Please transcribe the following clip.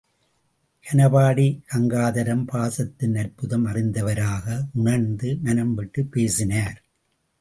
கனபாடி கங்காதரம் பாசத்தின் அற்புதம் அறிந்தவராக, உணர்ந்து, மனம்விட்டுப் பேசினார்.